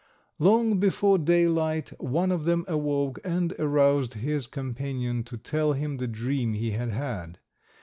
Long before daylight one of them awoke and aroused his companion to tell him the dream he had had.